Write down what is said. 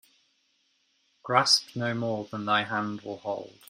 Grasp no more than thy hand will hold.